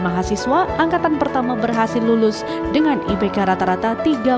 mahasiswa angkatan pertama berhasil lulus dengan ipk rata rata tiga dua puluh enam